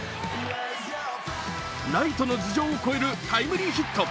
ライトの頭上を越えるタイムリーヒット。